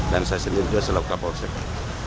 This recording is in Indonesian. dan saya sendiri juga selalu kapal sekit